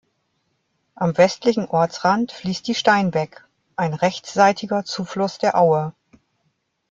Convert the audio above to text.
Am westlichen Ortsrand fließt die Steinbeck, ein rechtsseitiger Zufluss der Aue.